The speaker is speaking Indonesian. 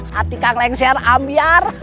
hati kang lengser ambiar